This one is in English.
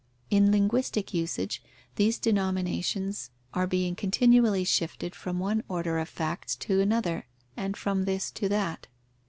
In linguistic usage, these denominations are being continually shifted from one order of facts to another, and from this to that.